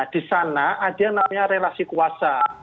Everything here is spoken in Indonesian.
di sana ada yang namanya relasi kuasa